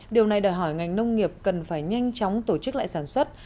điều này đòi hỏi ngành nông nghiệp cần phải nhanh chóng tổ chức lại sản xuất